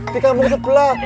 di kampung sebelah